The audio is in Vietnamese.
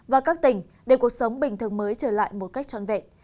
và các tỉnh để cuộc sống bình thường mới trở lại một cách trọn vẹn